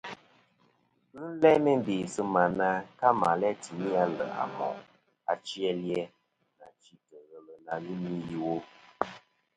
Ghɨ n-læ meyn bè sɨ̂ mà na ka mà læ̂ tìmi aleʼ à mòʼ achi a li-a, nà chîtɨ̀ ghelɨ na ghɨ ni iwo.